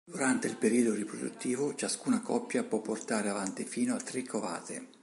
Durante il periodo riproduttivo, ciascuna coppia può portare avanti fino a tre covate.